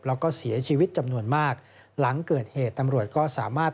แล้วก็เสียชีวิตจำนวนมากหลังเกิดเหตุตำรวจก็สามารถ